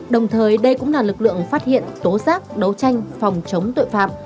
đồng thời đây cũng là lực lượng phát hiện tố giác đấu tranh phòng chống tội phạm